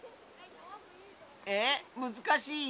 えっ？むずかしい？